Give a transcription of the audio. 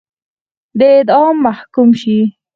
د اعدام محکوم شي.